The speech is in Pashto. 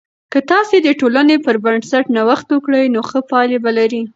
که تاسې د ټولنې پر بنسټ نوښت وکړئ، نو ښه پایلې به لرئ.